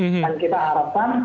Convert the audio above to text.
dan kita harapkan